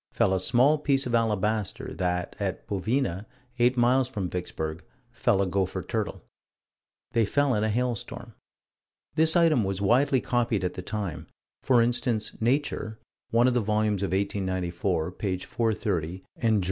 fell a small piece of alabaster; that, at Bovina, eight miles from Vicksburg, fell a gopher turtle. They fell in a hailstorm. This item was widely copied at the time: for instance, Nature, one of the volumes of 1894, page 430, and _Jour.